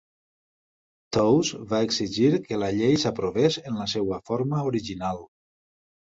Toews va exigir que la llei s'aprovés en la seva forma original.